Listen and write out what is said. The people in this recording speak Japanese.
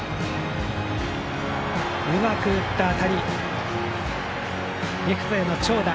うまく打った当たりレフトへの長打。